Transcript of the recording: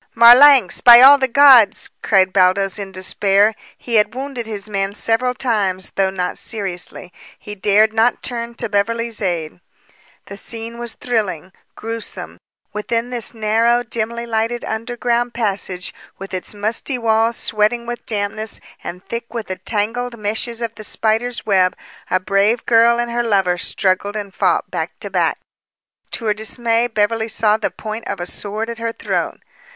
"Marlanx! By all the gods!" cried Baldos in despair. He had wounded his man several times, though not seriously. He dared not turn to Beverly's aid. The scene was thrilling, grewsome. Within this narrow, dimly lighted underground passage, with its musty walls sweating with dampness and thick with the tangled meshes of the spider's web, a brave girt and her lover struggled and fought back to back. To her dismay, Beverly saw the point of a sword at her throat.